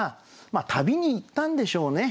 まあ旅に行ったんでしょうね。